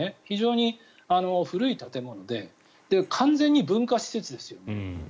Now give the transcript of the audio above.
非常に古い建物で完全に文化施設です。